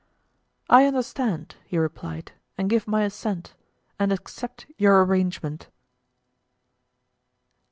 I understand, he replied, and give my assent, and accept your arrangement.